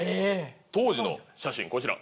当時の写真こちら。